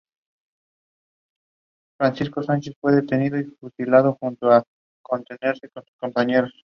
A mitad de su trayecto hace intersección con la calle del Sacramento.